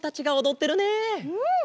うん！